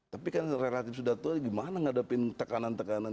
tapi kan relatif sudah tua gimana ngadepin tekanan tekanan